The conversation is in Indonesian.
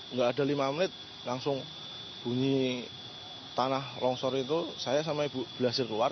nggak ada lima menit langsung bunyi tanah longsor itu saya sama ibu berhasil keluar